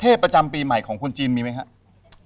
ประจำปีใหม่ของคนจีนมีไหมครับ